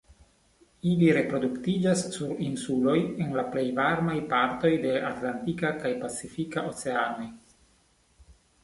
Ili reproduktiĝas sur insuloj en la plej varmaj partoj de Atlantika kaj Pacifika Oceanoj.